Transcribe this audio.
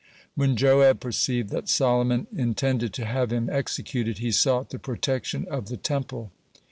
(7) When Joab perceived that Solomon intended to have him executed, he sought the protection of the Temple.